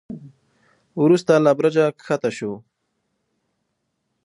وروسته له برجه کښته شو.